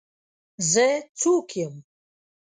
زه څوک یم؟